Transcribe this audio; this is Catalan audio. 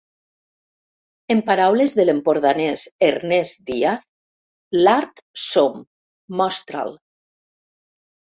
En paraules de l'empordanès Ernest Díaz, "l'art som: mostra'l".